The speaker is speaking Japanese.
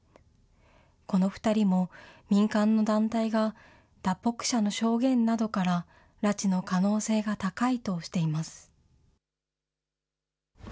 この２人も民間の団体が脱北者の証言などから、拉致の可能性が高いとしています。